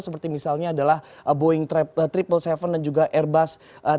seperti misalnya adalah boeing tujuh ratus tujuh puluh tujuh dan juga airbus tiga ratus delapan puluh